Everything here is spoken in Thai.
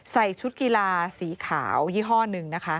ใส่ชุดกีฬาสีขาวยี่ห้อหนึ่งนะคะ